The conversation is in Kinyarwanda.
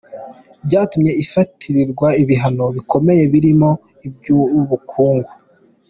Byatumye ifatirwa ibihano bikomeye birimo iby’ubukungu.